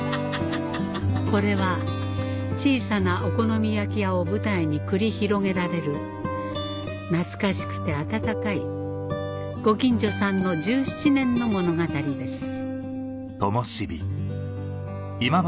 これは小さなお好み焼き屋を舞台に繰り広げられる懐かしくて温かいご近所さんの１７年の物語です